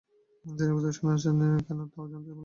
তিনি ব্যক্তিগত শুনানি চান কি না, তা ও জানাতে বলা হয়েছে।